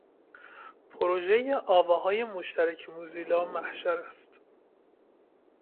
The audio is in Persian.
پروژهٔ آواهای مشترک موزیلا محشر است.